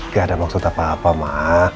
gak ada maksud apa apa mak